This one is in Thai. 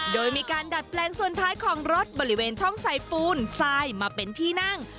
โดยมีการดัดแปลงส่วนท้ายของรถบริเวณช่องใส่ปูนทรายมาเป็นที่นั่ง